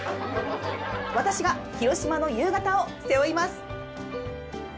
私が広島の夕方を背負います。